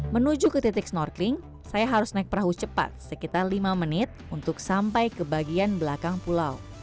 menuju ke titik snorkeling saya harus naik perahu cepat sekitar lima menit untuk sampai ke bagian belakang pulau